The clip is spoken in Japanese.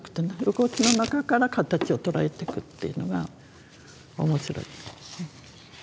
動きの中からカタチを捉えてくっていうのが面白い。